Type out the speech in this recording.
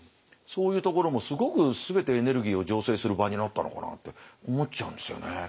そういうところもすごく全てエネルギーを醸成する場になったのかなって思っちゃうんですよね